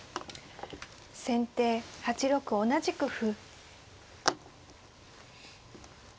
先手８六同じく歩。